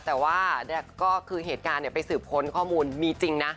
แต่ว่าก็คือเหตุการณ์ไปสืบค้นข้อมูลมีจริงนะ